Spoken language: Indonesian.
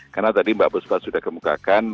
karena tadi mbak buspa sudah kemukakan